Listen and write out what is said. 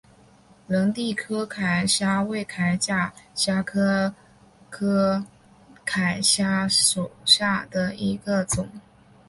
仁娣柯铠虾为铠甲虾科柯铠虾属下的一个种。